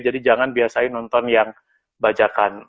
jadi jangan biasain nonton yang bajakan